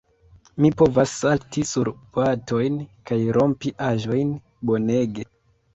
Mi povas salti sur boatojn, kaj rompi aĵojn. Bonege.